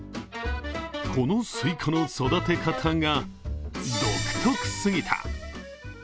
このスイカの育て方が独特すぎた。